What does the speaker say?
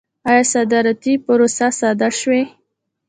آیا صادراتي پروسه ساده شوې؟